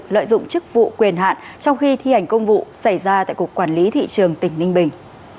lợi dụng chức vụ quyền hạn trong khi thi hành công vụ xảy ra tại cục quản lý thị trường tỉnh ninh bình